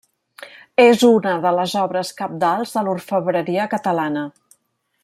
És una de les obres cabdals de l'orfebreria catalana.